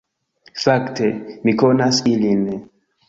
Fakte, mi konas ilin